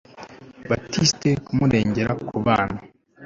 Baptiste kumurengera ku bana